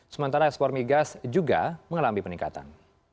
sementara ekspor migas juga mengalami peningkatan